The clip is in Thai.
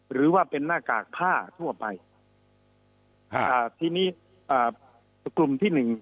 หรือว่าเป็นหน้ากากผ้าทั่วไปอ่าทีนี้อ่ากลุ่มที่หนึ่ง